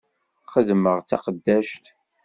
Xeddmeɣ d taqeddact.